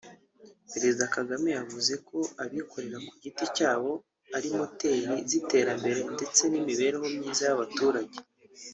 Perezida Kagame yavuze ko abikorera ku giti cyabo ari moteri z’iterambere ndetse n’imibereho myiza y’abaturage